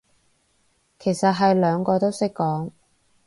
其實係兩個都識講